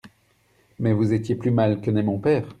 Mais vous étiez plus mal que n'est mon père.